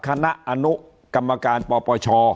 คณะอนุกรรมการปปช